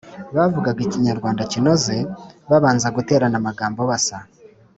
bavugaga Ikinyarwanda kinoze. Babanza guterana amagambo basa